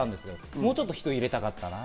もうちょっと人を入れたかったな。